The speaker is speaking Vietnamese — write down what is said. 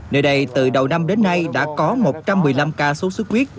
nơi đây từ đầu năm đến nay đã có một trăm một mươi năm ca sốt xuất huyết